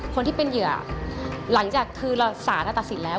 คนที่เป็นเหยื่อหลังจากคือสารตัดสินแล้ว